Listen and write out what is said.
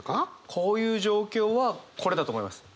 こういう状況はこれだと思います。